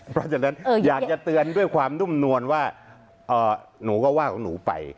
เพราะฉะนั้นอยากจะเตือนด้วยความนุ่มนวลว่าหนูก็ว่าของหนูไป